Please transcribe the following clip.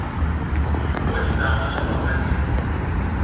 Поні там начаваў адзін.